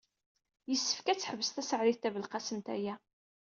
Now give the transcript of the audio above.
Yessefk ad teḥbes Taseɛdit Tabelqasemt aya.